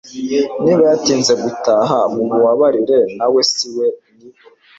niba yatinze gutaha mu mubabarire nawe siwe ni